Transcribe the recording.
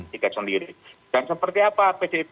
tiket sendiri dan seperti apa pdip